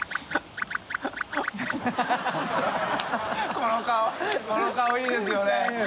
この顔この顔いいですよね。